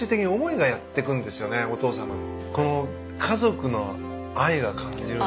この家族の愛が感じる。